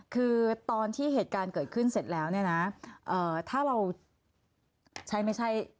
คือตอนที่เหตุการณ์เกิดขึ้นเสร็จแล้วเนี่ยนะถ้าเราใช้ไม่ใช่